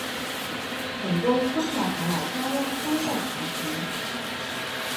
很多蔬菜还要加压装罐才行。